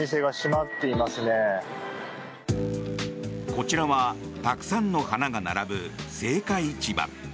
こちらはたくさんの花が並ぶ生花市場。